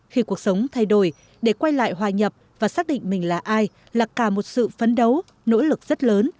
khi cuộc sống thay đổi để quay lại hòa nhập và xác định mình là ai là cả một sự phấn đấu nỗ lực rất lớn